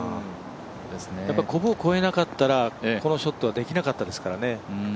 コブを越えなかったらこのショットはできなかったですからね。